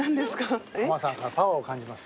浜さんからパワーを感じます。